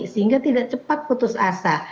sehingga tidak cepat putus asa